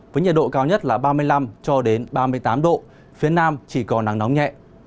với nhiệt độ cao nhất là ba mươi năm cho đến ba mươi tám độ phía nam chỉ có nắng nóng nhẹ